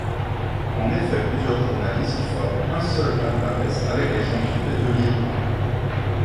En effet plusieurs journalistes forment un seul palmarès avec les champions des deux ligues.